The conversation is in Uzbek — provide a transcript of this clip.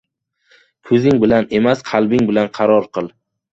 • Ko‘zing bilan emas, qalbing bilan qaror qil.